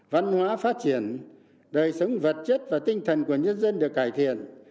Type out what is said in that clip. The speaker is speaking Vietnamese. văn hóa phát triển đời sống vật chất và tinh thần của nhân dân được cải thiện